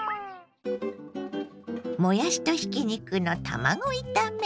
もやしとひき肉の卵炒め。